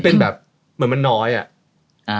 เป็นแบบเหมือนมันน้อยอ่ะ